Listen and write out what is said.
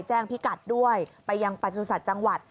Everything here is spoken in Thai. แจ้งพิกัดด้วยไปยังประสุนสัตว์จังหวัด